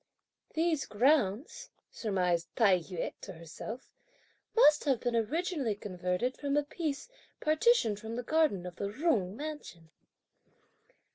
"These grounds," surmised Tai yü to herself, "must have been originally converted from a piece partitioned from the garden of the Jung mansion."